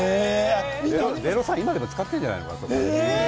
０３、まだ使ってるんじゃないかな？